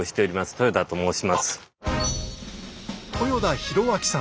豊田と申します。